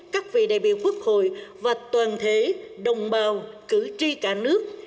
các vị đại biểu quốc hội và toàn thể đồng bào cử tri cả nước